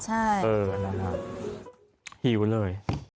ใช่เออน่ะฮะหิวเลย